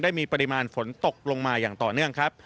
มีปริมาณฝนตกลงมาอย่างต่อเนื่องครับ